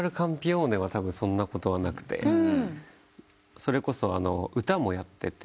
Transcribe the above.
それこそ歌もやってて。